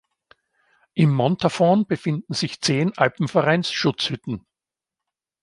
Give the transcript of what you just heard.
Im Montafon befinden sich zehn Alpenvereins-Schutzhütten.